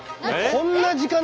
こんな時間だ。